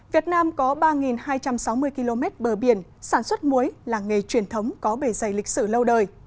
việt nam có ba hai trăm sáu mươi km bờ biển sản xuất muối là nghề truyền thống có bề dày lịch sử lâu đời